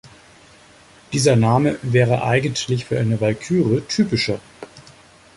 Dieser Name wäre eigentlich für eine Walküre typischer.